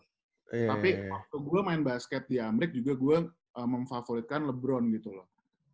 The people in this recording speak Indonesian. tapi waktu gue main basket di amrik juga gue memfavoritkan lebron gitu loh